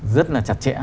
rất là chặt chẽ